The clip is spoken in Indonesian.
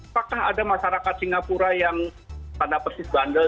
apakah ada masyarakat singapura yang tanda persis bandel